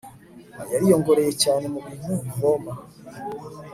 yariyongereye cyane mubintu bivoma